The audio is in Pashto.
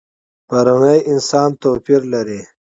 پروني انسانه توپیر لري.